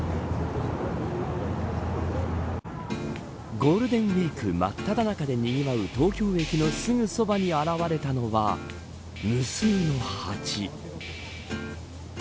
ゴールデンウイークまっただ中でにぎわう東京駅のすぐそばに現れたのは無数のハチ。